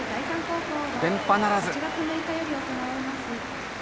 連覇ならず。